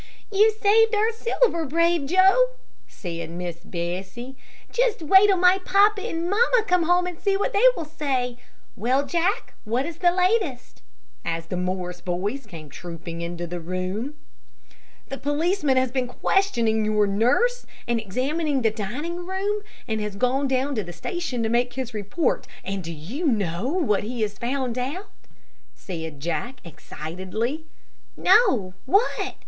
"You saved our silver, brave Joe," said Miss Bessie; "just wait till my papa and mamma come home, and see what they will say. Well, Jack, what is the latest?" as the Morris boys came trooping into the room. "The policeman has been questioning your nurse, and examining the dining room, and has gone down to the station to make his report, and do you know what he has found out?" said Jack, excitedly. "No what?"